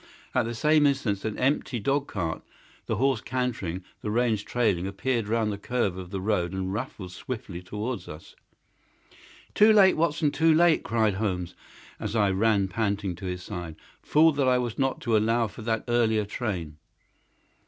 At the same instant an empty dog cart, the horse cantering, the reins trailing, appeared round the curve of the road and rattled swiftly towards us. "Too late, Watson; too late!" cried Holmes, as I ran panting to his side. "Fool that I was not to allow for that earlier train!